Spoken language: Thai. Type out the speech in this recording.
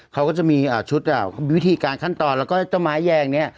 เขาก็จะมีชุดวิธีการขั้นตอนแล้วก็เจ้าไม้แยงเนี่ย